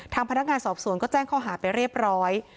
พนักงานสอบสวนก็แจ้งข้อหาไปเรียบร้อย